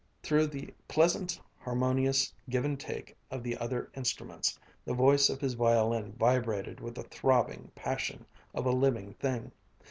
Through the pleasant harmonious give and take of the other instruments, the voice of his violin vibrated with the throbbing passion of a living thing.